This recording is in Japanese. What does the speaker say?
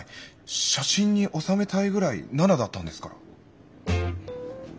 写真に収めたいぐらい７だったんですから。